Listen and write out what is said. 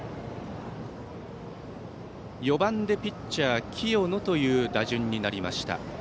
４番でピッチャー、清野という打順になりました。